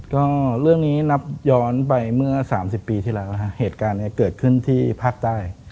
ก็เรื่องนี้นับย้อนไปเมื่อ๓๐ปีที่แล้วนะฮะเหตุการณ์นี้เกิดขึ้นที่ภาคใต้